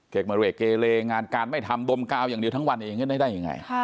มาเรกเกเลงานการไม่ทำดมกาวอย่างเดียวทั้งวันเองได้ยังไง